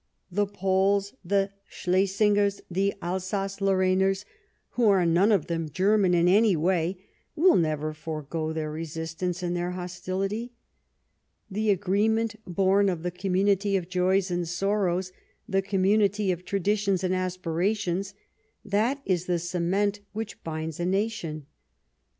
The Poles, the Slesingers, the Alsace Lorrainers, who are none of them Ger man in any way, will never forgo their resistance and their hostilit}'. The agreement born of the community of joys and sorrows, the community of traditions and aspirations — that is the cement which binds a nation.